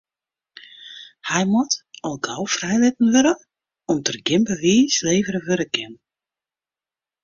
Hy moat al gau frijlitten wurde om't der gjin bewiis levere wurde kin.